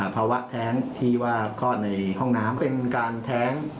ภาวะแท้งที่ว่าคลอดในห้องน้ำเป็นการแท้ง